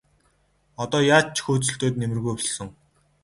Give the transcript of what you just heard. Одоо яаж ч хөөцөлдөөд нэмэргүй болсон.